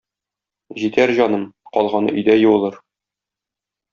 Җитәр, җаным, калганы өйдә юылыр.